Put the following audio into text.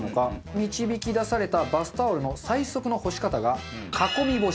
導き出されたバスタオルの最速の干し方が囲み干し。